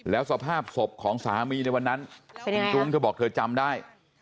แล้วสภาพศพของสามีในวันนั้นเป็นยังไงครับถ้าบอกเธอจำได้